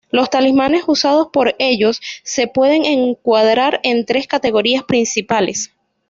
Los talismanes usados por ellos se pueden encuadrar en tres categorías principales.